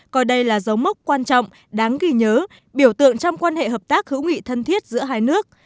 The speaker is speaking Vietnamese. coi đây là dấu mốc quan trọng đáng ghi nhớ biểu tượng trong quan hệ hợp tác hữu nghị thân thiết giữa hai nước